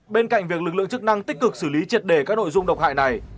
bên cạnh việc lực lượng chức năng tích cực xử lý triệt đề các nội dung độc hại này